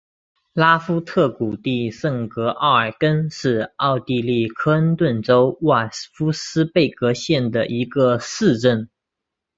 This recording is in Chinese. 拉凡特谷地圣格奥尔根是奥地利克恩顿州沃尔夫斯贝格县的一个市镇。